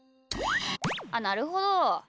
あっなるほど。